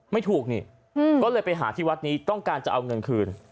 ไม่ถูกนี่ก็เลยไปหาที่วัดนี้ต้องการจะเอาเงินคืน